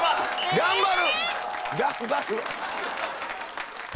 頑張る！